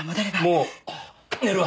もう寝るわ。